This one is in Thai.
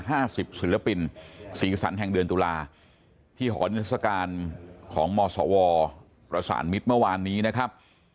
ห้าสิบศิลปินสีสันแห่งเดือนตุลาที่หอนิทรศการของมศวประสานมิตรเมื่อวานนี้นะครับ